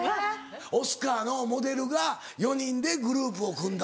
オスカーのモデルが４人でグループを組んだという。